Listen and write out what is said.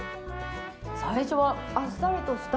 最初はあっさりとした、